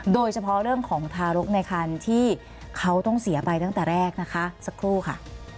โดยเฉพาะเรื่องของทารกในคันที่เขาต้องเสียไปตั้งแต่แรกนะคะสักครู่ค่ะ